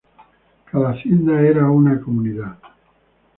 Cada hacienda era una comunidad.